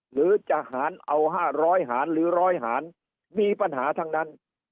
หรือจะหารเอา๕๐๐หารหรือร้อยหารมีปัญหาทั้งนั้น